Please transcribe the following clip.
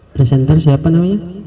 presenter siapa namanya